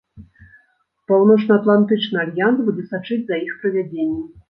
Паўночнаатлантычны альянс будзе сачыць за іх правядзеннем.